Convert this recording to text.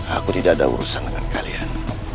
aku tidak ada urusan dengan kalian